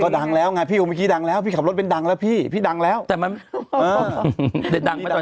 ก็ดังแล้วไงพี่พี่ดังแล้วพี่ขับรถเป็นดังแล้วพี่พี่ดังแล้วแต่มันเออได้ดังมาตอนนี้